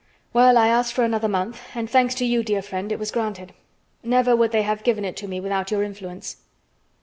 Well, I asked for another month and, thanks to you, dear friend, it was granted. Never would they have given it to me without your influence.